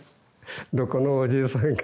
どこのおじいさんか。